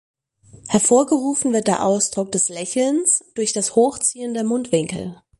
Hervorgerufen wird der Ausdruck des Lächelns durch das Hochziehen der Mundwinkel.